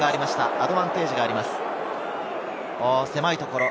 アドバンテージがあります。